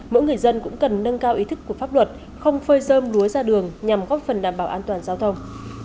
mỗi người dân cũng cần nâng cao ý thức của pháp luật không phơi dơm lúa ra đường nhằm góp phần đảm bảo an toàn giao thông